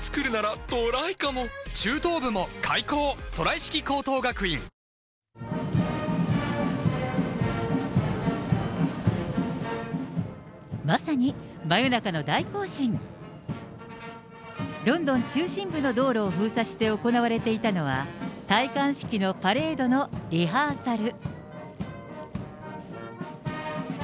イギリスメディアは、ロンドン中心部の道路を封鎖して行われていたのは、戴冠式のパレードのリハーサル。